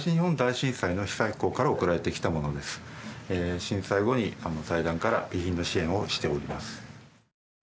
震災後に財団から備品の支援をしております。